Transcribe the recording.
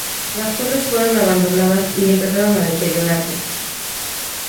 Las torres fueron abandonadas y, empezaron a deteriorarse.